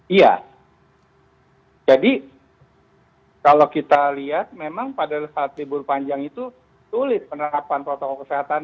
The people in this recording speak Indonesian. iya jadi kalau kita lihat memang pada saat libur panjang itu sulit penerapan protokol kesehatan